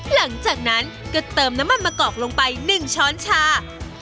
หลังจากนั้นก็เติมน้ำมันมะกอกลงไป๑ช้อนชา